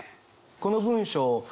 この文章